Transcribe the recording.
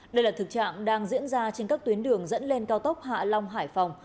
đây là thực trạng đang diễn ra trên các tuyến đường dẫn lên cao tốc hạ long hải phòng